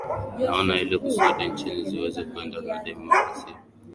naona ili kusudi nchi ziweze kwenda na demokrasia